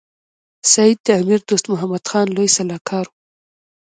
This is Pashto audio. سید د امیر دوست محمد خان لوی سلاکار وو.